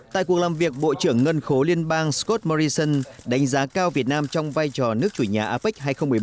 tại cuộc làm việc bộ trưởng ngân khố liên bang scott morrison đánh giá cao việt nam trong vai trò nước chủ nhà apec hai nghìn một mươi bảy